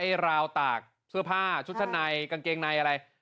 ราวตากเสื้อผ้าชุดชั้นในกางเกงในอะไร